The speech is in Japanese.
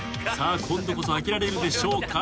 今度こそ開けられるでしょうか？